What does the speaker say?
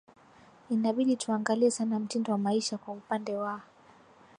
inabidi tuangalie sana mtindo wa maisha kwa upande wa